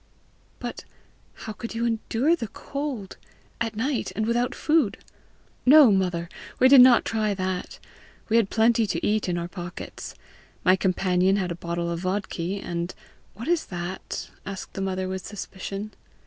"But how could you endure the cold at night and without food?" "No, mother; we did not try that! We had plenty to eat in our pockets. My companion had a bottle of vodki, and " "What is that?" asked the mother with suspicion.